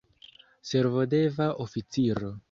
Servodeva oficiro.